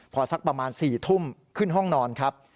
พอสักประมาณ๔ทุ่มขึ้นห้องนอนครับ